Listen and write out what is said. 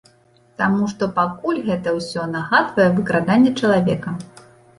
Таму што пакуль гэта ўсё нагадвае выкраданне чалавека.